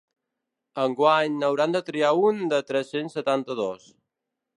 Enguany n’hauran de triar un de tres-cents setanta-dos.